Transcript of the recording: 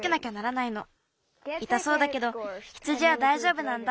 いたそうだけど羊はだいじょうぶなんだ。